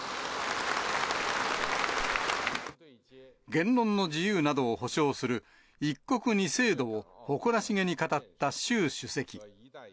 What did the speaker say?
言論の自由などをほしょうする一国二制度を、誇らしげに語った習主席。